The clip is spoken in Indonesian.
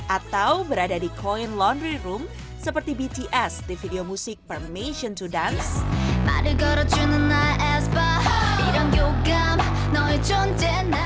atau berada di koin laundry room seperti bts di video musik permation to dance